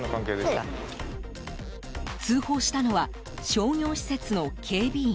通報したのは商業施設の警備員。